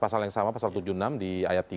pasal yang sama pasal tujuh puluh enam di ayat tiga